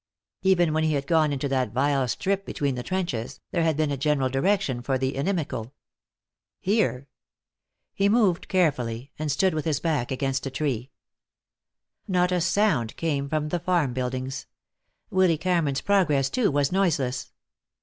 Even when he had gone into that vile strip between the trenches, there had been a general direction for the inimical. Here He moved carefully, and stood with his back against a tree. Not a sound came from the farm buildings. Willy Cameron's progress, too, was noiseless.